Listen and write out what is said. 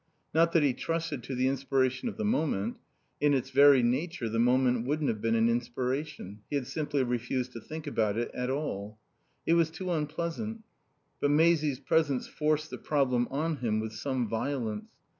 Not that he trusted to the inspiration of the moment; in its very nature the moment wouldn't have an inspiration. He had simply refused to think about it at all. It was too unpleasant. But Maisie's presence forced the problem on him with some violence.